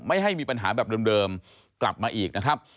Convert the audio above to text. ให้มีปัญหาแบบเดิมกลับมาอีกนะครับ